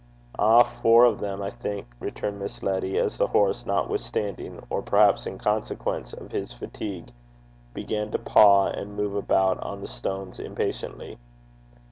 'A' four o' them, I think,' returned Miss Letty, as the horse, notwithstanding, or perhaps in consequence of his fatigue, began to paw and move about on the stones impatiently.